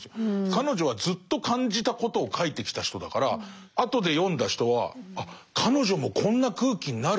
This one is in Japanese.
彼女はずっと感じたことを書いてきた人だから後で読んだ人はあっ彼女もこんな空気になるんだ